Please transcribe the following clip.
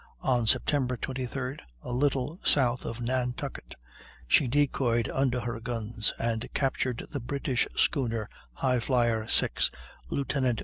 On Sept. 23d, a little south of Nantucket, she decoyed under her guns and captured the British schooner Highflyer, 6, Lieut.